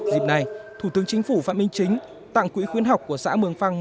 dịp này thủ tướng chính phủ phạm minh chính tặng quỹ khuyến học của xã mường phăng